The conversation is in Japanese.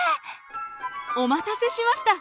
お待たせしました！